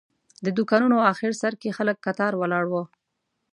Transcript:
د دوکانونو آخر سر کې خلک کتار ولاړ وو.